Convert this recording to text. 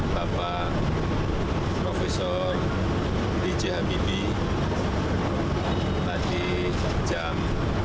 bapak profesor b j habibie tadi jam delapan belas lima